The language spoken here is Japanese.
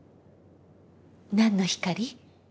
何の光？